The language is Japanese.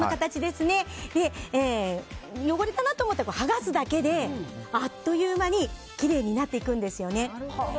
汚れたなと思ったら剥がすだけであっという間にきれいになっていくんですよね。